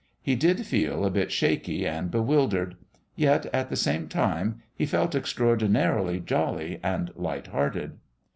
He did feel a bit shaky and bewildered.... Yet, at the same time, he felt extraordinarily jolly and light hearted....